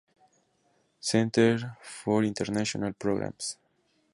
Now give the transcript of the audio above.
Center for International Programs.